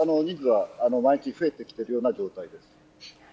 人数は毎日増えてきているような状態です。